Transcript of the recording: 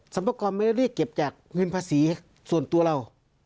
พากรไม่ได้เรียกเก็บจากเงินภาษีส่วนตัวเรา